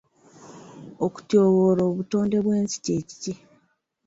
Okutyoboola obutonde bw'ensi kye ki?